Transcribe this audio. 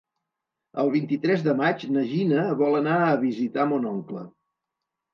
El vint-i-tres de maig na Gina vol anar a visitar mon oncle.